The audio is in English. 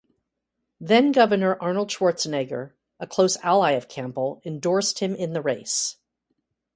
Then-Governor Arnold Schwarzenegger, a close ally of Campbell, endorsed him in the race.